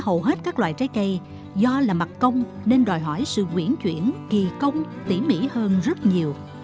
hầu hết các loại trái cây do là mặt công nên đòi hỏi sự nguyễn chuyển kỳ công tỉ mỉ hơn rất nhiều